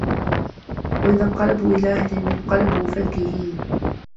وَإِذَا انقَلَبوا إِلى أَهلِهِمُ انقَلَبوا فَكِهينَ